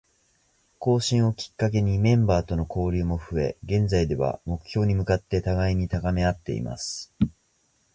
更新をきっかけにメンバーとの交流も増え、現在では、目標に向かって互いに高めあっています。